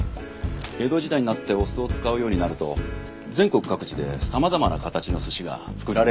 江戸時代になってお酢を使うようになると全国各地で様々な形の寿司が作られるようになりました。